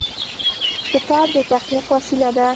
کتاب د تخلیق وسیله ده.